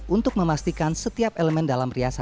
untuk memastikan setiap elemen dalam riasan